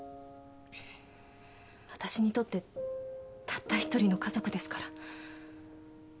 私にとってたった１人の家族ですから。